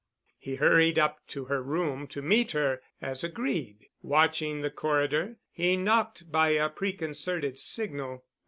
He hurried up to her room to meet her, as agreed. Watching the corridor, he knocked by a preconcerted signal.